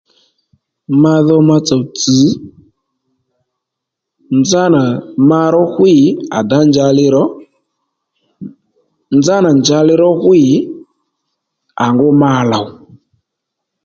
Ma dho matsò tsì nzánà ma ró ɦwí à dǎ njàli rò nzánà njali ró ɦwî à ngú ma lòw